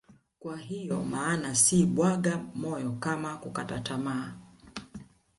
Kwa hiyo maana si bwaga moyo kama kukataa tamaa